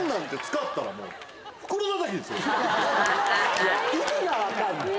いや意味が分かんない。